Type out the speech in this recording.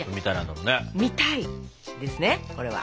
「見たい」ですねこれは。